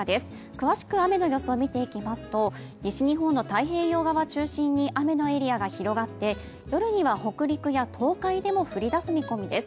詳しく雨の予想を見ていきますと西日本の太平洋側を中心に雨のエリアが広がって夜には北陸や東海でも降り出す見込みです。